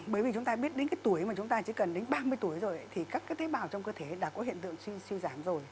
bởi vì chúng ta biết đến cái tuổi mà chúng ta chỉ cần đến ba mươi tuổi rồi thì các cái tế bào trong cơ thể đã có hiện tượng suy giảm rồi